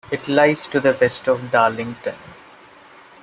It lies to the west of Darlington.